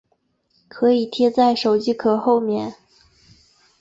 可以贴在手机壳后面